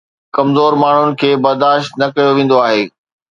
ڪمزور ماڻهن کي برداشت نه ڪيو ويندو آهي